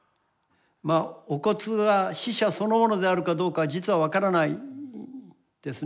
お骨が死者そのものであるかどうかは実は分からないですね。